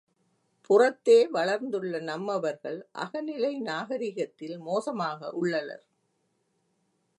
புறத்தே வளர்ந்துள்ள நம்மவர்கள் அகநிலை நாகரிகத்தில் மோசமாக உள்ளளர்.